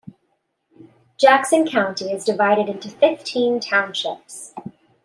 Jackson County is divided into fifteen townships.